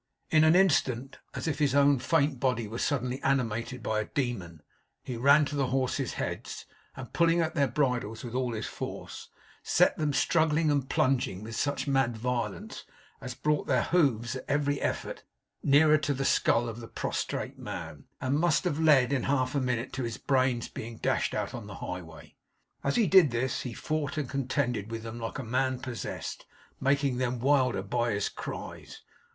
In an instant, as if his own faint body were suddenly animated by a demon, he ran to the horses' heads; and pulling at their bridles with all his force, set them struggling and plunging with such mad violence as brought their hoofs at every effort nearer to the skull of the prostrate man; and must have led in half a minute to his brains being dashed out on the highway. As he did this, he fought and contended with them like a man possessed, making them wilder by his cries.